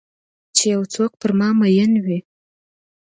چې یو څوک پر مامین وي